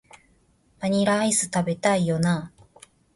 バニラアイス、食べたいよな